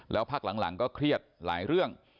แล้วพักหลังก็เครียดหลายเรื่อง